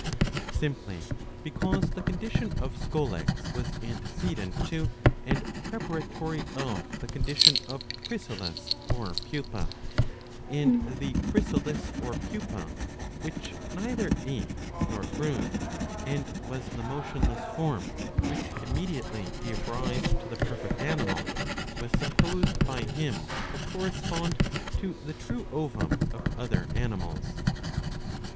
Simply because the con dition of scolex was antecedent to and preparatory of the condition of chrysalis or pupa; and the chrysalis or pupa which neither ate nor grew, and was the motionless form which immediately gave rise to the perfect animal,' was supposed by him to correspond to the true ovum of other animals.